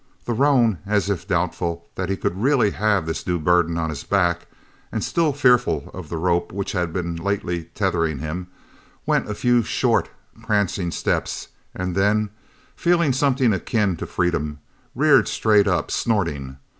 The roan, as if doubtful that he could really have this new burden on his back, and still fearful of the rope which had been lately tethering him, went a few short, prancing steps, and then, feeling something akin to freedom, reared straight up, snorting.